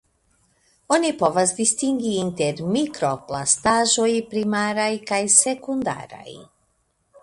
Oni povas distingi inter mikroplastaĵoj primaraj kaj sekundaraj.